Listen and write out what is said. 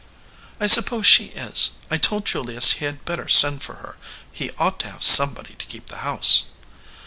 "I suppose she is; I told Julius he had better send for her. He ought to have somebody to keep the house."